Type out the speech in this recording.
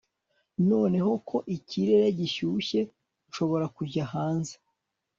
Noneho ko ikirere gishyushye nshobora kujya hanze